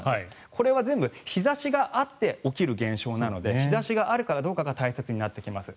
これは全部日差しがあって起きる現象なので日差しがあるかどうかが大切になってきます。